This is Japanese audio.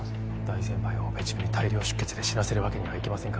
大先輩をオペ中に大量出血で死なせるわけにはいきませんからね。